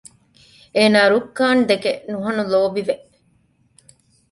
އޭނާ ރުކާންދެކެ ނުހަނު ލޯބިވެ